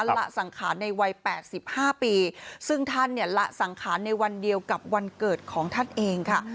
ละสังขารในวัย๘๕ปีซึ่งท่านเนี่ยละสังขารในวันเดียวกับวันเกิดของท่านเองค่ะ